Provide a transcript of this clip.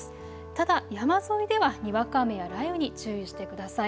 ただ山沿いではにわか雨や雷雨に注意してください。